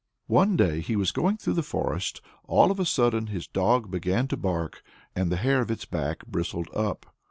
One day he was going through the forest; all of a sudden his dog began to bark, and the hair of its back bristled up.